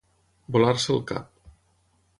Volar-se el cap.